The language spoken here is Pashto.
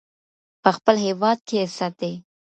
په خپل هېواد کې عزت دی.